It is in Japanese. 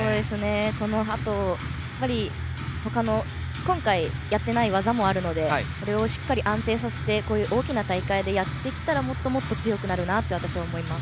このあと、やっぱり今回やっていない技もあるのでこれをしっかり安定させて大きな大会でやってきたらもっともっと強くなるなと私は思います。